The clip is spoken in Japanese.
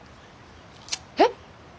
えっ！？